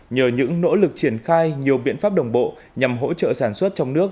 nhờ những nỗ lực triển khai nhiều biện pháp đồng bộ nhằm hỗ trợ sản xuất trong nước